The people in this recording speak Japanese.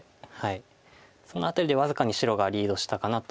その辺りで僅かに白がリードしたかなと思います。